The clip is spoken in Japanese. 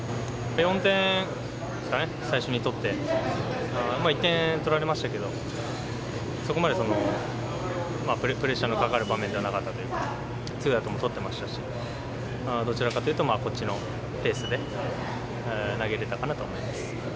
４点ですかね、最初に取って、１点取られましたけど、そこまでプレッシャーのかかる場面ではなかったというか、ツーアウトも取ってましたし、どちらかというとこっちのペースで投げれたかなと思います。